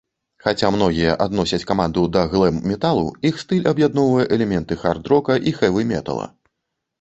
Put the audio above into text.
Хаця многія адносяць каманду да глэм-металу, іх стыль аб'ядноўвае элементы хард-рока і хэві-метала.